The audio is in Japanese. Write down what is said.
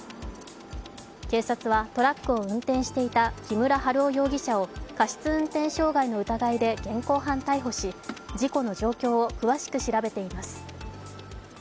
警察はトラックを運転していた木村春夫容疑者を過失運転傷害の疑いで現行犯逮捕し事故の状況を詳しく調べています。